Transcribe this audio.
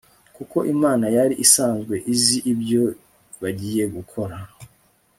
kuko imana yari isanzwe izi ibyo bagiye gukora